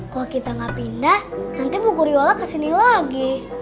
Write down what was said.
kalau kita gak pindah nanti bu guriola kesini lagi